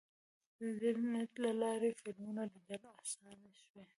د انټرنیټ له لارې فلمونه لیدل اسانه شوي.